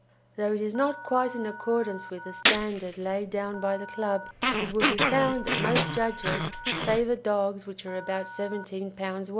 Though it is not quite in accordance with the standard laid down by the club, it will be found that most judges favour dogs which are about 17 lbs.